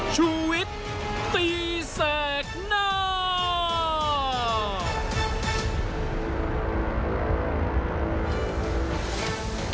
ชุวิตตีแสนหน้า